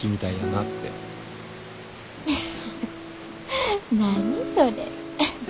フフフフ何それ。